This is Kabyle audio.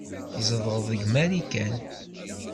Zedɣen deg Marikan.